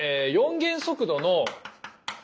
４元速度の。